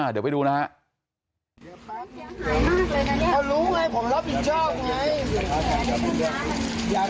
เดี๋ยวไปดูนะครับ